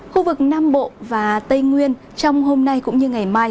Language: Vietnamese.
khu vực nam bộ và tây nguyên trong hôm nay cũng như ngày mai